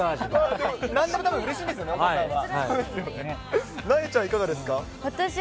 なんでもたぶん、うれしいんですよね、お父さんは。